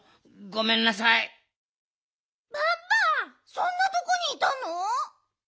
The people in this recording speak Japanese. そんなとこにいたの！？